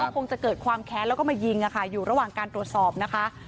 คงจะเกิดความแค้นแล้วก็มายิงอยู่ระหว่างการตรวจสอบนะคะ